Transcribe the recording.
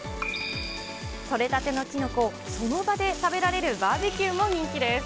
採れたてのきのこをその場で食べられるバーベキューも人気です。